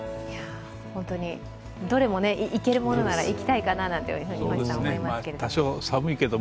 どれも行けるものなら行きたいかなと思いますけど。